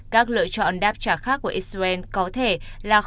các lựa chọn đáp trả khác của israel có thể là khó khăn